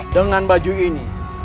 dengan baju ini